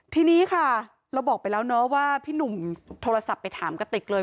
ทีนี้ค่ะเราบอกไปแล้วเนาะว่าพี่หนุ่มโทรศัพท์ไปถามกระติกเลย